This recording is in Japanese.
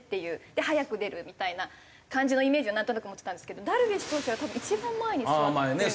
で早く出るみたいな感じのイメージはなんとなく持ってたんですけどダルビッシュ投手は多分一番前に座ってるんですね。